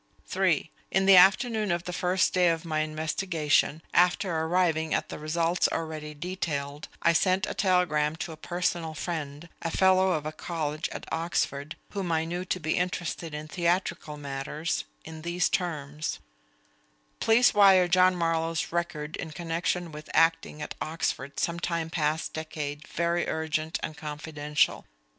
(3) In the afternoon of the first day of my investigation, after arriving at the results already detailed, I sent a telegram to a personal friend, a fellow of a college at Oxford, whom I knew to be interested in theatrical matters, in these terms: Please wire John Marlowe's record in connection with acting at Oxford some time past decade very urgent and confidential.